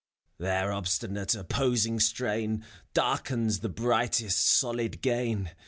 FAUST. Their obstinate, opposing strain Darkens the brightest solid gain.